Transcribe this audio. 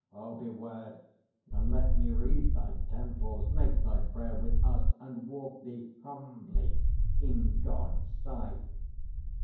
Oh, beware, And let me wreathe thy temples. Make thy prayer With us, and walk thee humbly in God's sight.